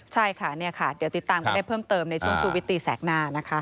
ใช่ค่ะเดี๋ยวติดตามกันได้เพิ่มเติมในช่วงชูวิตตีแสกหน้านะคะ